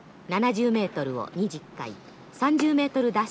７０メートルを２０回３０メートル